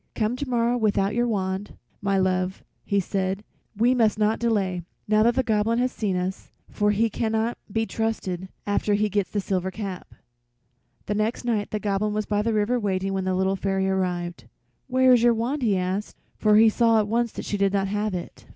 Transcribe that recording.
"Come tomorrow without your wand, my love," he said; "we must not delay, now that the Goblin has seen us, for he cannot be trusted after he gets the silver cap." The next night the Goblin was by the river waiting when the Little Fairy arrived. "Where is your wand?" he asked, for he saw at once she did not have it.